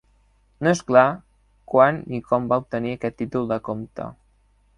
No és clar quan ni com va obtenir aquest títol de comte.